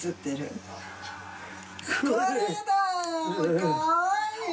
かわいいよ！